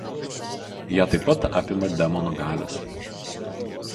Ją taip pat apima demono galios.